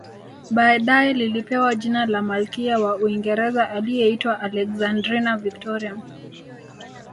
Baadae lilipewa jina la malkia wa Uingereza aliyeitwa Alexandrina Victoria